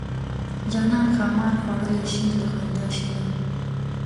جانان ښامار خوړلی شین له خندا شینه.